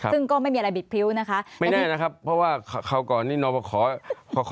ซึ่งก็ไม่มีอะไรบิดพริ้วนะคะไม่แน่นะครับเพราะว่าคราวก่อนนี่นอบขอ